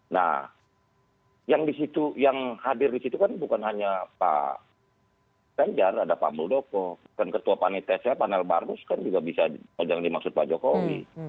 nah yang hadir di situ bukan hanya pak gajar ada pak muldoko dan ketua panitese pak nel barus juga bisa dimaksud pak jokowi